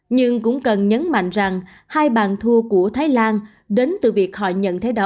nhưng cũng cần nhấn mạnh rằng hai bàn thua của thái lan đến từ việc họ nhận thấy đó